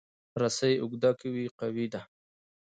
رسۍ اوږده که وي، قوي ده.